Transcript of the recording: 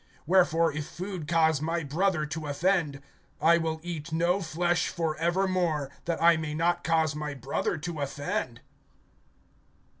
(13)Wherefore, if food cause my brother to offend, I will eat no flesh for ever more, that I may not cause my brother to offend.